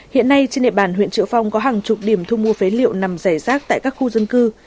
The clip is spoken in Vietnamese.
hiện nay trên địa bàn huyện triệu phong có hàng chục điểm thu mua phế liệu nằm rẻ rác tại các khu dân cư